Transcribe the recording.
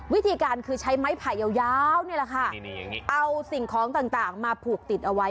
วิธีการคือใช้ไม้ไผ่ยาวนี่แหละค่ะเอาสิ่งของต่างมาผูกติดเอาไว้